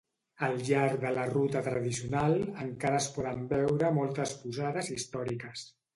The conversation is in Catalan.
Al llarg de la ruta tradicional, encara es poden veure moltes posades històriques.